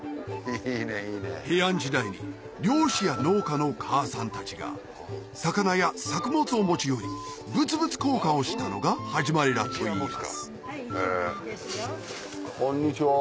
平安時代に漁師や農家のお母さんたちが魚や作物を持ち寄り物々交換をしたのが始まりだといいますこんにちは。